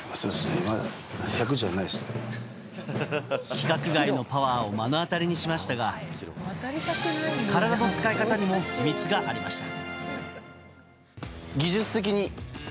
規格外のパワーを目の当たりにしましたが体の使い方にも秘密がありました。